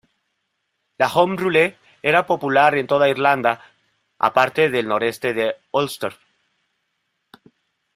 La "Home Rule" era popular en toda Irlanda, aparte del noreste del Ulster.